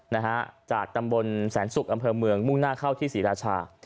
นะฮะจากตำบลแสนศุกร์อำเภอเมืองมุ่งหน้าเข้าที่ศรีราชา